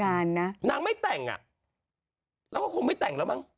นานนะนางไม่แต่งอ่ะเราก็คงไม่แต่งแล้วมั้ง